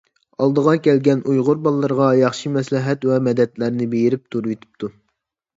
ئالدىغا كەلگەن ئۇيغۇر بالىلىرىغا ياخشى مەسلىھەت ۋە مەدەتلەرنى بېرىپ تۇرۇۋېتىپتۇ.